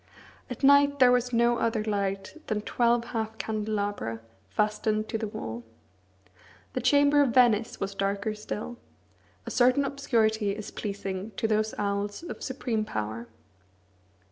At night there was no other light than twelve half candelabra, fastened to the wall. The chamber of Venice was darker still. A certain obscurity is pleasing to those owls of supreme power.